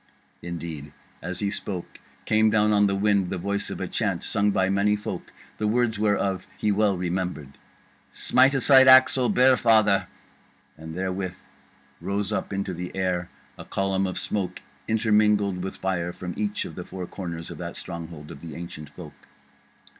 Indeed as he spoke came down on the wind the voice of a chant, sung by many folk, the words whereof he well remembered: SMITE ASIDE AXE, O BEAR FATHER. And therewith rose up into the air a column of smoke intermingled with fire from each of the four corners of that stronghold of the Ancient Folk.